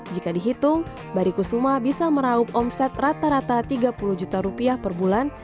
jika dihitung bari kusuma bisa meraup omset rata rata tiga puluh juta rupiah per bulan